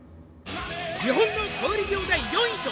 「日本の小売業第４位と」